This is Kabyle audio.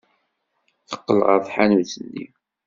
Teqqel ɣer tḥanut-nni.